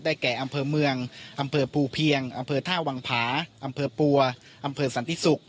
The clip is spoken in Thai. แก่อำเภอเมืองอำเภอภูเพียงอำเภอท่าวังผาอำเภอปัวอำเภอสันติศุกร์